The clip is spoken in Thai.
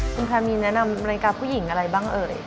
คุณแพรมีแนะนำนาฬิกาผู้หญิงอะไรบ้างเอ่ย